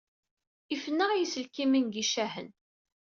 Ifen-aɣ yiselkimen deg yicahen.